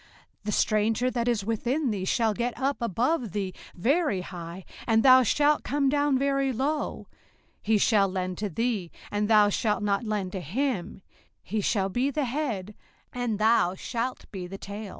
05:028:043 The stranger that is within thee shall get up above thee very high; and thou shalt come down very low. 05:028:044 He shall lend to thee, and thou shalt not lend to him: he shall be the head, and thou shalt be the tail.